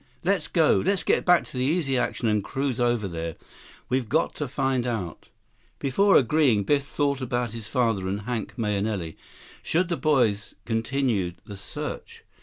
"Let's go. Let's get back to the Easy Action and cruise over there. We've got to find out." Before agreeing, Biff thought about his father and Hank Mahenili. Should the boys continue the search?